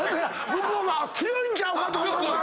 向こうが「強いんちゃうか⁉」と思うからな。